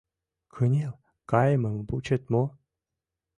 Кынел кайымым вучет мо?